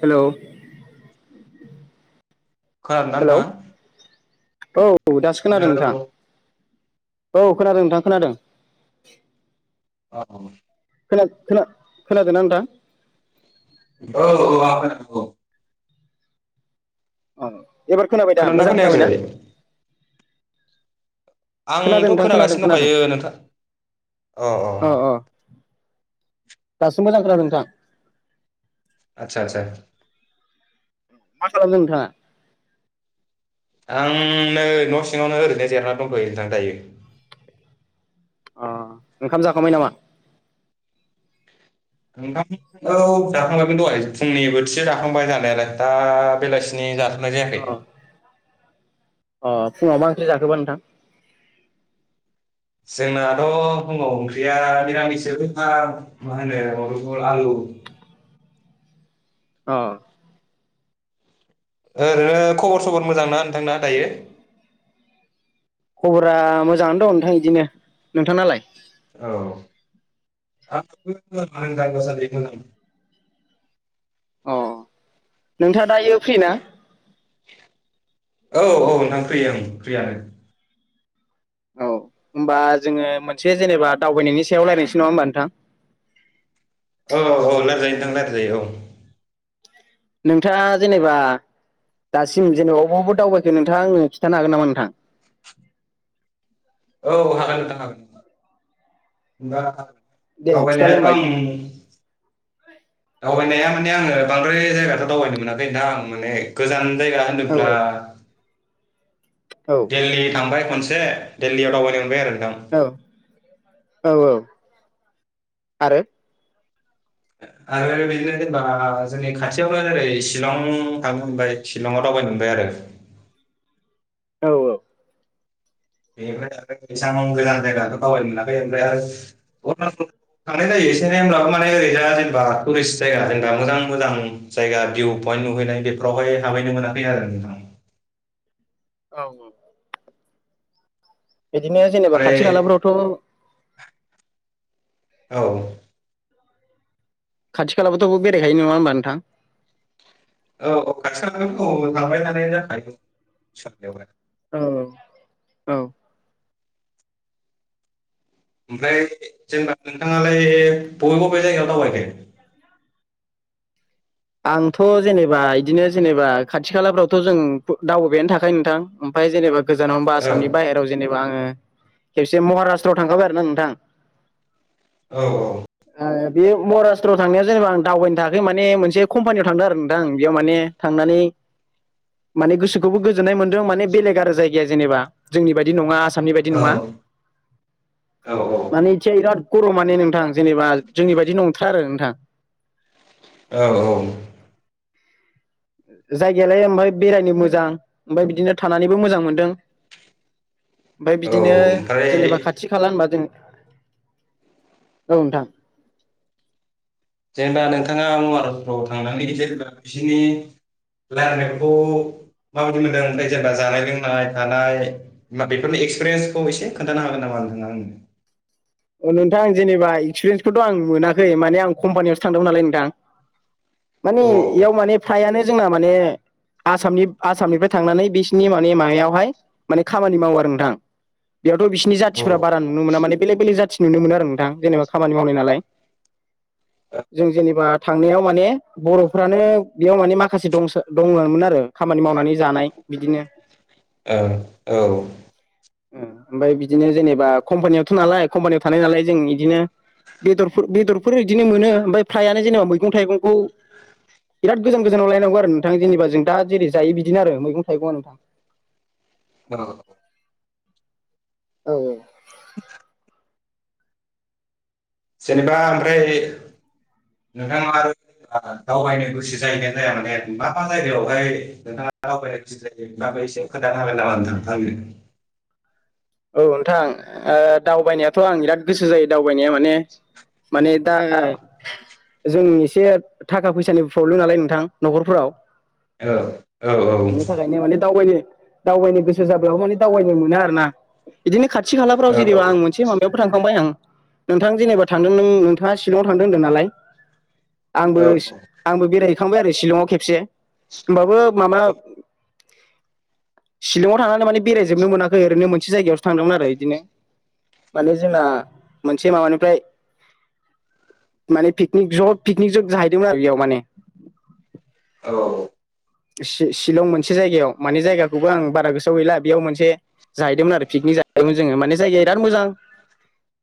Hello खोनादोंना hello नोंथाङा? औ औ दासो खोनादों नोंथां। हेलौ औ खोनादों नोंथां खोनादों। औ। खोना-खोना-खोनादोंना नोंथां? औ औ आ [unintelligible] औ। एबार खोनाबाय दा, खोनादोंना मोजां खोनाबायना? खोनायाखै? खोनादों आंथ' नोंथां खोनादों खोनागासिनो खोनादों दंखायो नोंथां अ अ। दासो मोजां खानादों आथसा आथसा। मा खालामदों नोंथाङा? आं नै न' सिङावनो ओरैनो जेरायना दंथ'यो नोंथां दायो। अ ओंखाम जाखांबाय नामा? नोंथां औ जाखांबायमोन दहाय फुंनि बोथिसे जाखांबाय जानायालाय, दा बेलासिनि जाथ नाय अ जायाखै। अ फुंआव मा ओंख्रि जाखोबा नोंथां? जोंनाथ' फुङाव ओंख्रिया निरामिसोलै नोंथां मा होनो बहल आलु। अ। ओरैनो खबर सबर मोजांना नोंथांना दायो? खबरा मोजाङानो दं नोंथां इदिनो। नोंथांनालाय? औ [unintelligible] अ नोंथांआ दायो फ्रि ना? औ औ नोंथां फ्रि ओं फ्रियानो। औ होमबा जोङो मोनसे जेनेबा दावबायनायनि सायाव रायलायनोसै नङा होमबा नोंथां? औ औ औ रालायजायो नोंथां रालायजायो औ। नोंथांङा जेनेबा दासिम जेनेबा अबाव अबाव दावबायखो नोंथाङा आंनो खिन्थानो हागोन नामा नोंथां? औ हागोन नोंथां हागोन। दा दे खिन्थालाय दावबायनायाथ' होमबा आं नोंथां दावबायनाया माने आंङो बांद्राय जायगाथ' दावबायनो मोनाखै नोंथां आं माने गोजान जायगा औ होनोब्ला औ औ दिल्ली थांबाय खनसे औ [unintelligible] औ औ आरो आरो बिदिनो जेनेबा जोंनि खाथियावनो ओरै शिलं थांनो मोनबाय शिलंआव दावबायनो मोनबाय आरो। औ औ। बेनिफ्राय आरो एसां गोजान जायगाथ' दावबायनो मोनाखै ओमफ्राय आरो अरुणचल थांनाय जायो एसे होनोमब्लाबो माने ओरैजा जेनेबा टुरिस्ट जायगा जेनबा मोजां मोजां जायगा भिउ पइन्ट नुहैनाय बेफोरावहाय हाबहैनो मोनाखै आरो नोंथां औ औ। बिदिनो जेनेबा खाथि खालाफ्रावथ' औ‌। खाथि खालाबोथ' बेरायखायो नङा होमबा नोंथां औ औ खाथिलाफोरखौ थांबाय थानाय जाखायो। औ औ। ओमफ्राय जेनेबा नोंथाङालाय बबे बबे जायगायाव दावबायखो? आंथ' जेनेबा बिदिनो जेनेबा खाथि खालाफ्रावथ' जों दावबायानो थाखायो नोंथां। ओमफ्राय जेनेबा गोजानाव होनबा आसामनि बाहेर जेनेबा आं खेबसे महाराष्ट्रआव थांखाबाय आरो ना नोंथां। औ औ। ओ बे महाराष्ट्रआव थांनायाव जेनेबा आं दावबायनो थाखै माने मोनसे कम्पानियाव थांदों आरो नोंथां आं बेयाव माने थांनानै माने गोसोखौबो गोजोन्नाय मोन्दों माने बेलेग आरो जायगाया जेनेबा जोंनि बायदि नङा आस आसामनि बायदि औ नङा औ माने एसे बिराद गर'मानि नोंथां जेनेबा जोंनि बायदि नंथारा आरो नोंथां। औ औ। जायगायालाय ओमफाय बेरायनो मोजां ओमफ्राय बिदिनो थानानैबो मोजां मोनदों। ओमफ्राय औ बिदिनो ओमफ्राय जेनेबा खाथि खाला होनबा जों औ नोंथां। जेनेबा नोंथाङा महाराष्ट्रआव थांनानै जेनेबा बिसोरनि रायलायनायफोरखौ मावदि मोनदों ओमफ्राय जेनेबा जानाय लोंनाय थानाय बेफोरनि एक्सपिरियेन्सखौ एसे खोन्थानो हागोन नामा नोंथाङा आंनो अ नोंथां जेनेबा एक्सपिरियेन्स फोरथ' आं मोनाखै माने आं कम्पानियावसो थांदोंमोन नालाय नोंथां। माने आंनो औ इयाव माने फ्रायानो जोंना माने आसामनि आसामनिफ्राय थांनानै बिसिनि माने माबायावहाय माने खामानि मावो आरो नोंथां। बेयावथ' बिसिनि औ जाथिफफोरा बारा नुनो मोना माने बेलेग बेलेग जाथि नुनो मोनमोन आरो नोंथां जेनेबा खामानि मावनाय नालाय। जों जेनेबा थांनायाव माने बर'फ्रानो बेयाव माने माखासे दं दंङोमोन आरो। खामानि मावनानै जानाय बिदिनो औ ओमफ्राय बिदिनो जेनेबा कम्पानियावथ' नालाय कम्पानियाव थानाय नालाय जों बिदिनो बेदरफोर बेदरफोर बिदिनो मोनो ओमफ्राय फ्रायानो जेनेबा मैगं-थाइगं। खौ बिराद गोजान गोजानाव लायनांगौ आरो नोंथां जेनेबा जों दा जेरै जायो बिदिनो आरो मैगं थाइगंआ नोंथां। औ। औ औ। जेनेबा ओमफ्राय नोंथाङा आरो दावबायनो गोसो जायोना जाया माने मा मा जायगायावहाय नोंथाङा दावबायनो गोसो जायोबाबो एसे खोथानो हागोन नामा नोंथां आंनो? औ नोंथां दावबायनायाथ' आं बिराद गोसो जायो दा माने माने दा जों एसे थाखा फैसानि प्रब्लेम नालाय नोंथां न'खरफोराव। औ औ बिनि थाखायनो माने दावबायनो दावबायनो गोसो जाब्लाबो माने दावबायनो मोनो आरोना। बिदिनो खाथि खालाफ्राव औ जेरैबा आं मोनसे बेयावबो थांखांबाय आं। नोंथां जेनेबा थांदों नों नोंथाङा शिलंआव थांदों होनदों नालाय? आंबो सि औ आंबो बेराय थांबाय आरो शिलंआव खेबसे होमबाबो माबा शिलंआव थांनानै माने बेरायजोबनो मोनाखै ओरैनो मोनसे जायगायावसो थांदोंमोन आरो बिदिनो माने जोंना मोनसे माबानिफ्राय माने पिकनिक ज' पिकनिक ज' जाहै [unintelligible] माने औ औ [unintelligible] शिलं मोनसे जायगायाव माने जायगा थेवबो आं बारा गोसोआव गैला बेयाव मोनसे जाहैदोंमोन आरो पिकनिक जाहैदोंमोन जोङो माने जायगाया बिराद मोजां।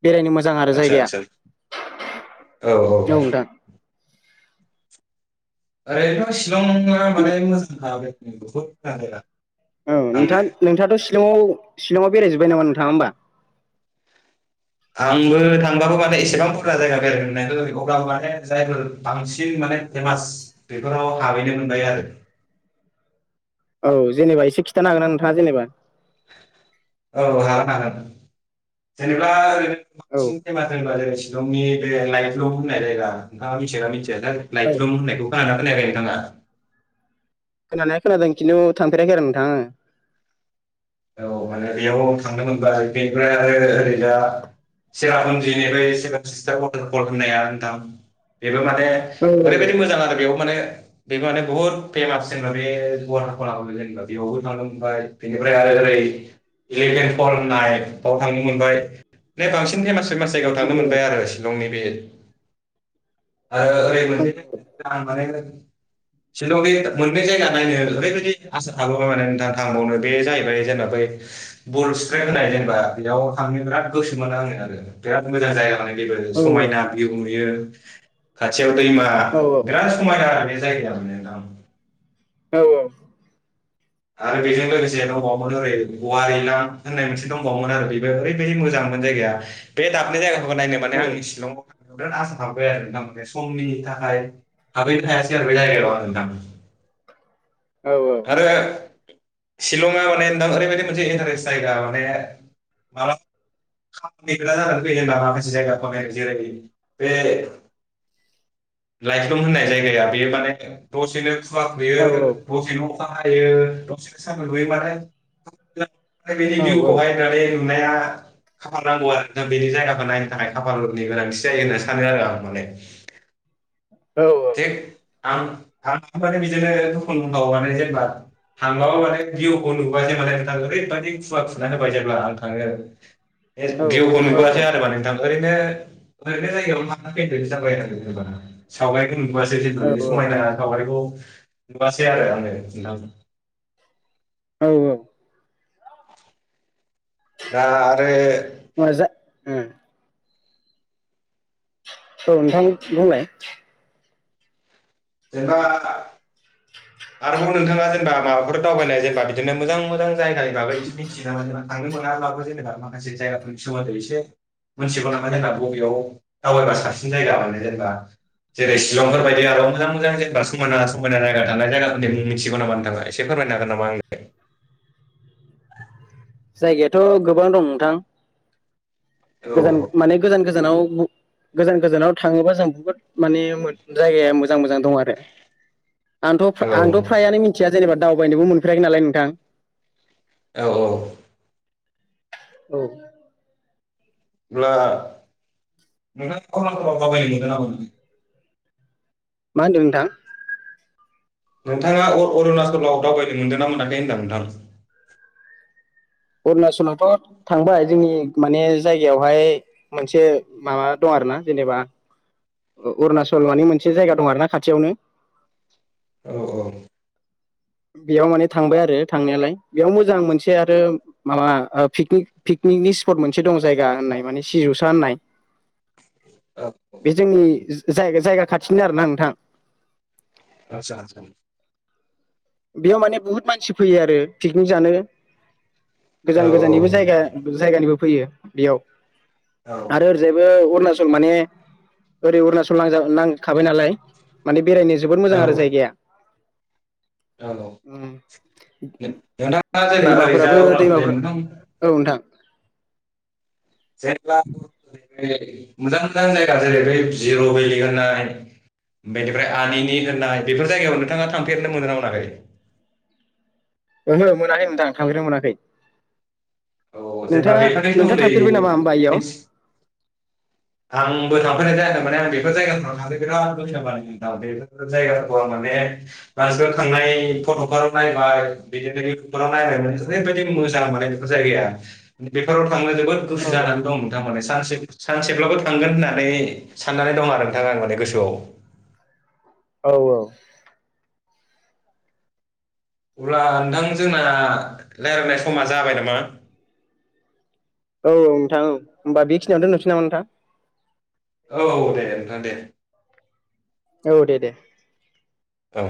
बेरायनो मोजां आरो आदसा जायगाया औ आदसा औ नोंथां। आरैनथ' शि शिलंआ माने मोजांखाबो बहुत था आरोना। औ नोंथा नोंथाङाथ' शि शिलंआव शिलंआव बेरायजोबबाय नामा नोंथाङा होमबा? आंबो थांबाबो माने एसेबां बुरजा जायगा बेरायनो मोनाखै अब्लाबो माने जायफोर बांसिन माने फेमास बेफोराव हाबहैनो मोनबाय आरो। औ जेनेबा एसे खिन्थानो हागोन ना नोंथाङा जेनेबा? औ हागोन हागोन जेनेबा ओरै औ सिं [unintelligible] शिलंनि बे लाइतलुम बुंनाय जायगा नोंथाङा मिथियो ना मि [unintelligible] औ लाइतलुम होनायखौ खोनादोंना खोनायाखै नोंथाङा? खोनानाया खोनादों खिन्थु थांफेराखै आरो नोंथां आङो। औ माने बेयाव थांनो मोनबा आरो बेनिफ्राय आरो ओरै दा चेरापुन्जिनि बे सेभेन सिस्टार हटेल फल्स होननाया नोंथां बे बेयाव माने आङो ओरैबायदि मोजां आरो बेयाव माने बेबो माने बहुत फेमास जेनबा बे [unintelligible] होननाय जायगायाव बेयावबो थांनो मोनबाय बेनिफाय फ्राय ओरै इलिभेन फल होननाय बाव थांनो मोनबाय फ्राय बांसिन फेमास मास जायगायाव औ थांनो मोनबाय आरो शिलंनि बे [inaudible] आरो ओरै मोनसे आं माने सिलं बे मोननै जायगा नायनो ओरैबायदि आसा थाबोबाय माने नोंथां थांबावनो बे जाहैबाय जेनबा बै बर सट्राइ होननाय जेनेबा बेयाव थांनो बिराद गोसो मोनो आं आरो बिराद मोजां जायगा जोबोर समायना भिउ नुयो। खाथि दैमा औ औ बिद समायना आरो बे [unintelligible] औ औ आरो बेजों लोगोसे दंबावोमोन ओरै गवारिलां होननाय मोनसे दंबावोमोन आरो बेबो ओरैबायदि मोजांमोन जायगाया बे दाबनैय जायगा खौ नायनो माने आंनि सिलं बिराद आसा थाबोबाय आरो नोंथां माने सम मिनिनि थाखाय हाबहै नो‌ हायासै [unintelligible] औ औ आरो सिलंआ माने नोंथां ओरैबायादि मोनसे इन्टारेस्ट जायगा माने मा खामानिफोरा जानानै फैयो होनबा माखासे जायगा फोर जेरै बे लाइफ्लं होननाय जायगाया बेयो माने दसेनो औ [unintelligible] अखाहायो दसेनो सानदुं दुंगो माने बेनि औ भिउखौहाय होननानै नाया खाफाल नांगौ आरो नोंथां बेनि जायगाखौ नायनो थाखाय खाफालनि गोनांथि जायो होनना सानो आरो आं माने [unintelligible] आं आं माने बिदिनो दुखुनथाव माने जेनेबा थांबाबो माने भउखौ नुबा जे माने नोंथा ओरैबायदि खुवा खुनानै होबाय जेब्ला आं थाङो [unintelligible] भिउखौ नुबोआखसै आरो नोंथां ओरैनो ओरैनो जायगायाव माबाना फैनाय बायनांगोन होनबाना सावग खौ नुआसै जेनेबा बेनिन औ समानता सावगारिखौ [inaudible] नुबोआसै आरों आंङो नोंथां [inaudible] औ औ दा आरो जा उम औ नोंथां बुंलाय जेनबा आरोबाव नोंथाङा जेनबा माबाफोर दावबायनाय जेनेबा बिदिनो मोजां मोजां जायगानि बागै एसे मिथि नामा [unintelligible] थांनो मोनाब्लाबो जेनेबा माखासे जायगाफोरनि सोमोन्दै एसे मिथिगौ नामा जेनेबा बबेयाव दावबायबा साबसिन जायगा माने जेनेबा जेरै शिलंफोर बायदि आरो मोजां मोजां जेनेबा समायना समायना जायगा थानाय जायगा फोरनि मुं मिथिगौ नामा नोंथाङा एसे फोरमायनो हागोन नामा आंनो? जायगायाथ' गोबां दं नोंथां। आंनो गोजान औ माने गोजान गोजानाव गोजान गोजानाव थाङोबा जों बुहुत माने जायगाया मोजां मोजां दं आरो। आंथ' औ आंथ' औ फ्रायानो मिथिया जेनेबा दावबायनोबो मोनफेराखै नालाय नोंथां। औ औ। औ अब्ला नोंथां खाव दाबायनो मोनगोना मोनाखै? मा होनदों नोंथां? नोंथाङा अ अरुणाचलाव दावबायनो मोन्दोंना मोनाखै होनदों आं नोंथां? अरुणचलावथ' थांबाय जोंनि माने जायगायावहाय मोनसे माबा दं आरो ना जेनेबा अरुणाचल मानि मोनसे जायगा दं आरो ना खाथियावनो। औ औ। बेयाव माने थांबाय आरो थांनायालाय। बेयाव मोजां मोनसे आरो माबा ओ पिकनिक पिकनिकनि स्पट मोनसे दं जायगा होननाय माने सिजौसा होननाय। औ बे जोंनि जाय जायगा खा थिसिन आरोना नोंथां? आसा आसा बेयाव माने बुहुत मानसि फैयो आरो। पिकनिक जानो, औ गोजान गोजाननिबो जायगा जायगानिबो फैयो बेयाव। औ आरो ओरैजायबो अरुणाचल माने ओरै अरुणाचल नांजा नांखाबाय नालाय माने बेरायनो जोबोद मोजां औ आरो जायगाया। औ उम। नोंथाङा जेनेबा ओरैजा दैमाफोराबो दैमा अरुणाचलनि मोनथाम औ नोंथां। जेनेबा मोजां मोजां जायगा जेरै बै जिर' भेलि होननाय बेनिफ्राय आनिनि होननाय बेफोर जायगायाव नोंथाङा थांफेरनो मोनो ना मोनाखै? ओहो मोनाखै नोंथां थांफेरना मोनाखै। औ जेनेबा नोंथाङा बेफोरनि नोंथाङा सोमोन्दै थांफेरबाय नामा होमबा इयाव मिथि आंबो थांफेरनाय जायाखै माने आं बे फोर जायगाफोराव थांनो बिराद गो दं बेफोर जायगाफोरखौ आं माने मानसिफ्रा थांनाय फट'फोराव नायबाय बिदिनो इउटुबफोराव नायबाय माने ओरैबायदि मोजां माने जायगाया। बेफोराव थांनो जोबोद गोसो औ जानानै दं नोंथां माने सानसे सानसेब्लाबो थांगोन होननानै साननानै दं आरो नोंथाङा आं माने गोसोआव। औ औ अब्ला नोंथां जोंना रायज्लायनाय समा जाबाय नामा? औ नोंथां होमबा बेखिनियाव दोननोसिन नामा नोंथां। औ दे नोंथां दे औ दे दे औ